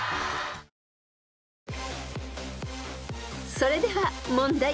［それでは問題］